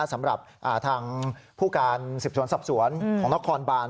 สำหรับทางผู้การสืบสวนสอบสวนของนครบาน